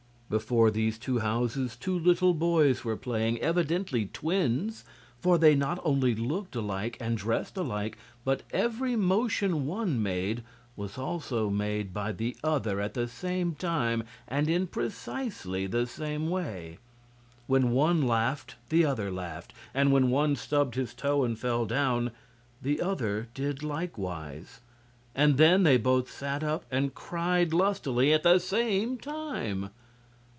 Before these houses two little boys were playing, evidently twins, for they not only looked alike and dressed alike, but every motion one made was also made by the other at the same time and in precisely the same way. When one laughed the other laughed, and when one stubbed his toe and fell down, the other did likewise, and then they both sat up and cried lustily at the same time.